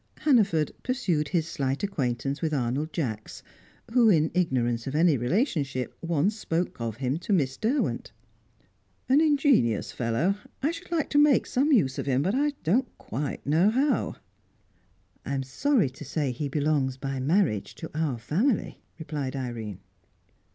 Hannaford pursued his slight acquaintance with Arnold Jacks, who, in ignorance of any relationship, once spoke of him to Miss Derwent. "An ingenious fellow. I should like to make some use of him, but I don't quite know how." "I am sorry to say he belongs by marriage to our family," replied Irene.